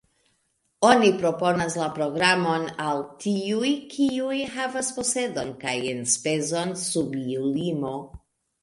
Oni proponas la programon al tiuj, kiuj havas posedon kaj enspezon sub iu limo.